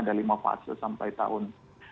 ada lima fase sampai tahun dua ribu empat puluh lima